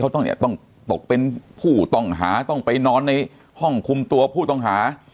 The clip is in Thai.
เขาต้องเนี่ยต้องตกเป็นผู้ต้องหาต้องไปนอนในห้องคุมตัวผู้ต้องหา